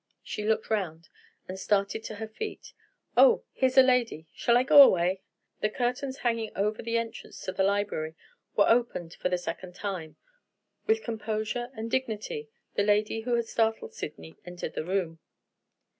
She looked round, and started to her feet. "Oh, here's a lady! Shall I go away?" The curtains hanging over the entrance to the library were opened for the second time. With composure and dignity, the lady who had startled Sydney entered the room.